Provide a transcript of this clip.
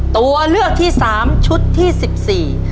ตัวเลือกที่๓ชุดที่๑๔